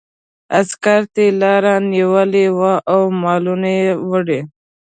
عسکرو ته لاره نیولې وه او مالونه یې وړي.